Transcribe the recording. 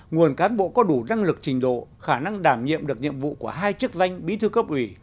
nguồn cán bộ có đủ năng lực trình độ khả năng đảm nhiệm được nhiệm vụ của hai chức danh bí thư cấp ủy